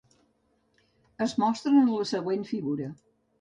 Es mostren en la següent figura.